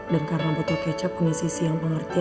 dan karena botol kecap punya sisi yang pengertian